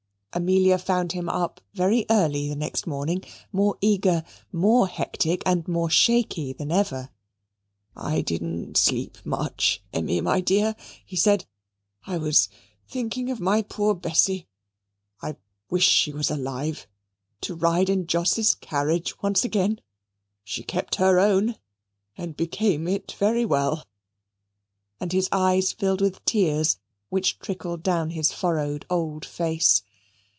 Amelia found him up very early the next morning, more eager, more hectic, and more shaky than ever. "I didn't sleep much, Emmy, my dear," he said. "I was thinking of my poor Bessy. I wish she was alive, to ride in Jos's carriage once again. She kept her own and became it very well." And his eyes filled with tears, which trickled down his furrowed old face.